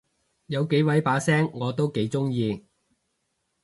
有幾位把聲我都幾中意